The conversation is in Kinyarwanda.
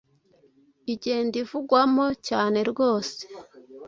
igenda ivugwamo cyane rwose